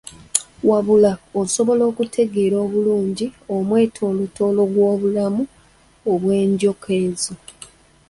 Wabula, osobola okutegeera obulungi omwetooloolo gw’obulamu bw’enjoka ezo.